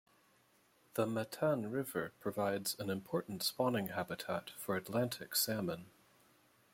The Matane River provides an important spawning habitat for Atlantic salmon.